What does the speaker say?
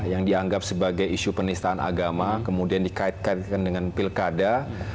yang dianggap sebagai isu penistaan agama kemudian dikaitkan dengan pilkada